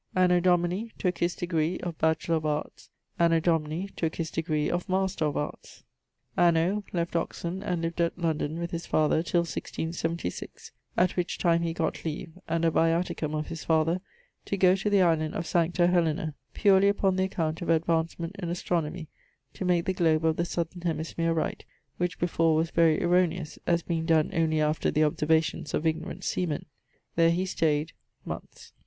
Anno Domini ... tooke his degree of Bacc. Art.; Anno Domini ... tooke his degree of Master of Arts. Anno ... left Oxon, and lived at London with his father till <1676>; at which time he gott leave, and a viaticum of his father, to goe to the Island of Sancta Hellena, purely upon the account of advancement in Astronomy, to make the globe of the Southerne Hemisphere right, which before was very erroneous, as being donne only after the observations of ignorant seamen. There he stayed ... moneths.